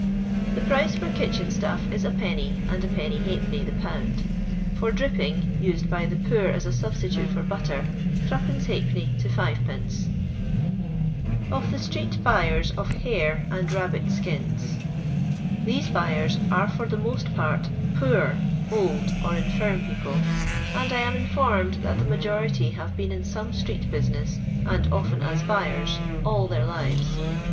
The price for kitchen stuff is \d. and \\d, the pound ; for dripping— used by the poor as a sub stitute for butter— 3^(/. to bd. Of the Stbket Buters of Ha&e and Babbit Skins. TnESB buyers are for the most part poor, old, or infirm people, and I am informed that the majority have been in some street business, and often as buyers, all their lives.